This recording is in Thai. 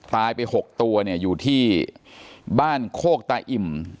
ตายไป๖ตัวเนี่ยอยู่ที่บ้านโคกตาอิ่ม